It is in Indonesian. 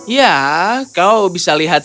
ya kau bisa lihat